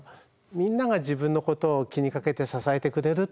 みんなが自分のことを気にかけて支えてくれる。